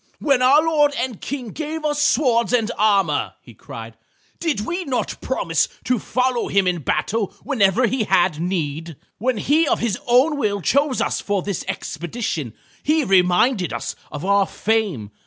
"When our lord and King gave us swords and armor," he cried, "did we not promise to follow him in battle whenever he had need? When he of his own will chose us for this expedition he reminded us of our fame.